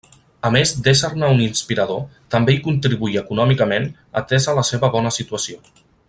A més, d'ésser-ne un inspirador, també hi contribuí econòmicament, atesa la seva bona situació.